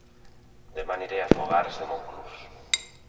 Dema aniré a Fogars de Montclús